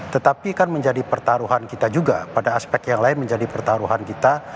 tetapi kan menjadi pertaruhan kita juga pada aspek yang lain menjadi pertaruhan kita